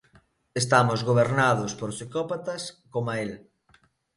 Estamos gobernados por psicópatas coma el.